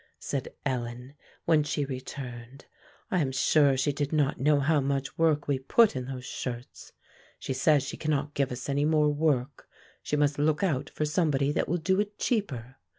said Ellen, when she returned. "I am sure she did not know how much work we put in those shirts. She says she cannot give us any more work; she must look out for somebody that will do it cheaper.